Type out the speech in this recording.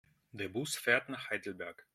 Der Bus fährt nach Heidelberg